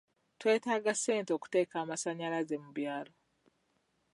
Twetaaga ssente okuteeka amasanyalaze mu byalo.